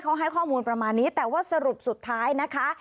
เขาให้ข้อมูลประมาณนี้แต่ว่าสรุปสุดท้ายนะคะ